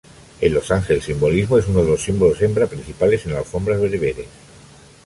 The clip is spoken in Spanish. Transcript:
El losange el simbolismo es uno de los símbolos hembra principales en alfombras bereberes.